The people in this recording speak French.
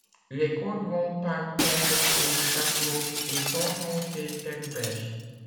Les cordes vont par paires pour chaque note, et sont montées tête-bêche.